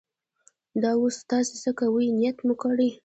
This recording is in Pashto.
دا اوس تاسې څه کوئ؟ نیت مې وکړ.